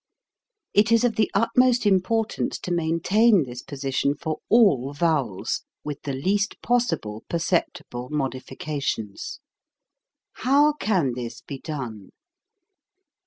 It is of the utmost impor tance to maintain this position for all vowels, with the least possible perceptible modifica tions. How can this be done